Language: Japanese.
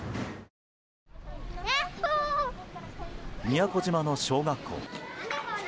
宮古島の小学校。